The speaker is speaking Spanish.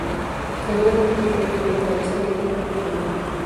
Alguna gente prefiere comer la cabeza, que queda crujiente.